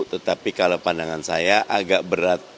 tetapi kalau pandangan saya agak berat